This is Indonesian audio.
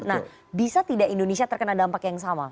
nah bisa tidak indonesia terkena dampak yang sama